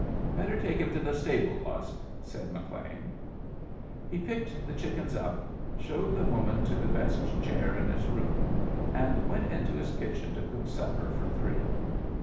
"Better take him to the stable, Lusk," said McLean. He picked the chickens up, showed the woman to the best chair in his room, and went into his kitchen to cook supper for three.